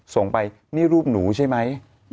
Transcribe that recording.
ส่งไปนี่รูปหนูใช่ไหม